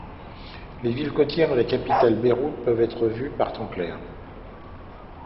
Les villes côtières et la capitale Beyrouth peuvent être vues par temps clair.